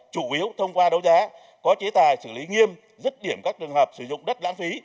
chủ yếu thông qua đấu giá có chế tài xử lý nghiêm dứt điểm các trường hợp sử dụng đất lãng phí